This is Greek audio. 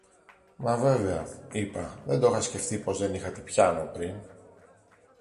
Μα βέβαια, είπα, δεν τό 'χα σκεφτεί πως δεν είχατε πιάνο πριν.